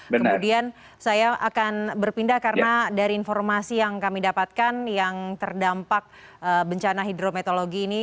kemudian saya akan berpindah karena dari informasi yang kami dapatkan yang terdampak bencana hidrometeorologi ini